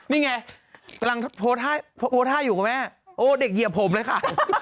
นี่ไงกำลังโพสต์ท่าอยู่กับแม่โอ้เด็กเหยียบผมเลยค่ะ